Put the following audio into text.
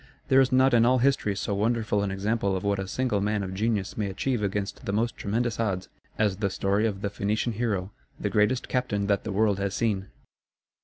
There is not in all history so wonderful an example of what a single man of genius may achieve against the most tremendous odds, as the story of the Phoenician hero the greatest captain that the world has seen.